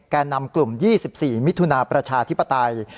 แก่นำกลุ่ม๒๔มิถุนาประชาธิปไตย